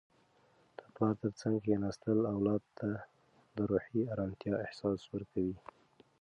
د پلار تر څنګ کښیناستل اولاد ته د روحي ارامتیا احساس ورکوي.